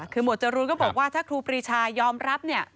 คือหวดจรูนก็บอกว่าถ้าครูปรีชายอมรับเนี่ย